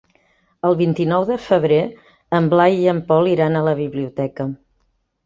El vint-i-nou de febrer en Blai i en Pol iran a la biblioteca.